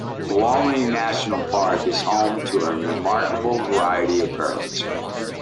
Diawling National Park is home to a remarkable variety of birds.